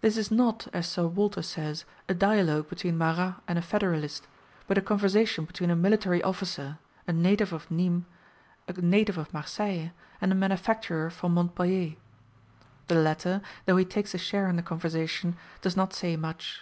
[This is not, as Sir Walter says, a dialogue between Marat and a Federalist, but a conversation between a military officer, a native of Nismes, a native of Marseilles, and a manufacturer from Montpellier. The latter, though he takes a share in the conversation, does not say much.